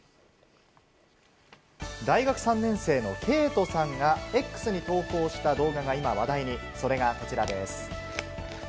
大学３年生の慧人さんがＸに投稿した動画が今話題にそれがこちらです。